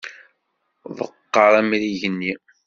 Ḍeqqer amrig-nni!